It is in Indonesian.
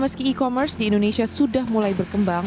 meski e commerce di indonesia sudah mulai berkembang